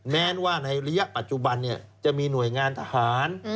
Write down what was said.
แม้ว่าในระยะปัจจุบันจะมีหน่วยงานทหาร